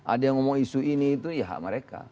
ada yang ngomong isu ini itu ya hak mereka